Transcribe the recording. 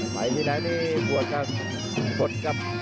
แล้วบวกครั้งครับ